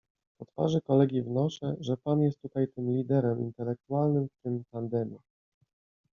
Po twarzy kolegi wnoszę, że pan jest tutaj tym liderem intelektualnym w tym tandemie.